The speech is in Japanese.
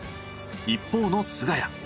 一方の菅谷。